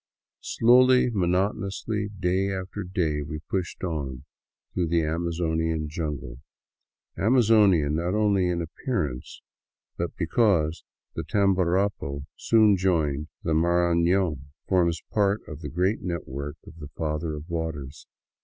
Slowly, monotonously, day after day, we pushed on through the Amazonian jungle — Amazonian not only in appearance, but because the Tamborapo, soon to join the Marafion, forms a part of the great network of the Father of Waters.